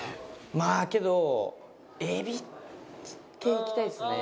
まあけどエビ系いきたいですね。